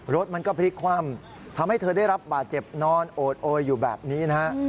รถมันก็พลิกคว่ำทำให้เธอได้รับบาดเจ็บนอนโอดโอยอยู่แบบนี้นะฮะ